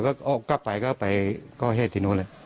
ก็เข้าไปได้ก็เหตุที่นู้นเลย